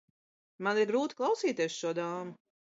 Man ir grūti klausīties šo dāmu.